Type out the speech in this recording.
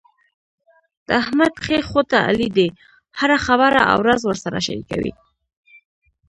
د احمد ښۍ خوټه علي دی، هره خبره او راز ورسره شریکوي.